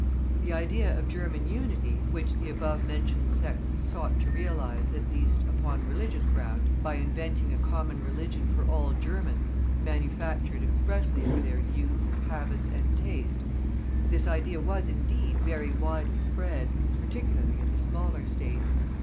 The idea of German unity, which the above mentioned sects sought to realize, at least, upon religious ground, by inventing a common religion for all Germans, manufactured expressly for their use, habits, and taste this idea was, indeed, very widely spread, particularly in the smaller States.